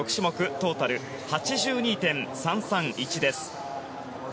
トータル８２．３３１です。